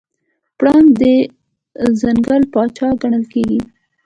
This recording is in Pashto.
پړانګ د ځنګل پاچا ګڼل کېږي.